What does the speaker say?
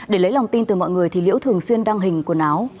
để lấy lòng tin từ mọi người thì liễu thường xuyên đăng hình quần áo